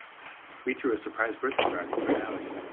We threw a surprise birthday party for Ali.